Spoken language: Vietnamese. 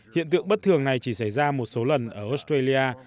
hiện tượng bất thường này chỉ xảy ra một số lần ở australia